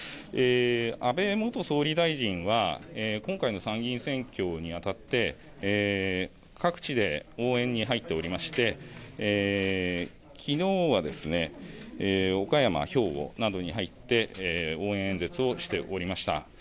安倍元総理大臣は今回の参議院選挙にあたって各地で応援に入っておりましてきのうは岡山、兵庫などに入って応援演説をしておりました。